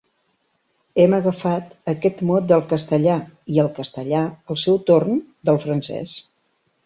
Hem agafat aquest mot del castellà, i el castellà, al seu torn, del francès.